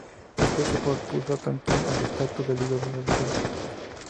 Este hecho propulsó a Tonkin al estatus de ídolo adolescente.